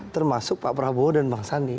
termasuk pak prabowo dan bang sandi